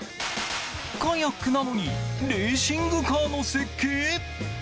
カヤックなのにレーシングカーの設計？